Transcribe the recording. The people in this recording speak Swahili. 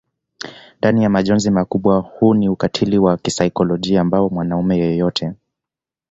ndani ya majonzi makubwa huu ni ukatili wa kisaikolojia ambao mwanaume yeyote